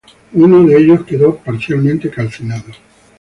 Uno de ellos quedó parcialmente calcinado.